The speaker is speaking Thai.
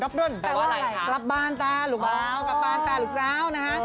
แปลว่าอะไรคะรับบ้านตาหรือเปล่ารับบ้านตาหรือเปล่านะคะ